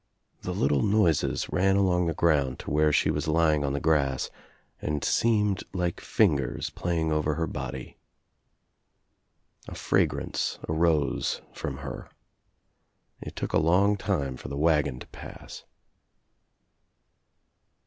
The little noises ran along the ground to where she was lying on the grass and seemed like fingers playing over her body. A fragrance arose from her. It took a long time for the wagon to pass.